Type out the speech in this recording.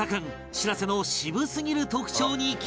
「しらせ」の渋すぎる特徴に気づく！